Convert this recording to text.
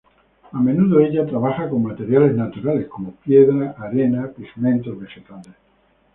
A menudo ella trabaja con materiales naturales como piedra, arena, pigmentos vegetales.